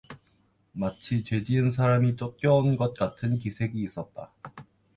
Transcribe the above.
마치 죄지은 사람이 쫓겨 온 것 같은 기색이 있었다.